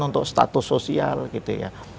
untuk status sosial gitu ya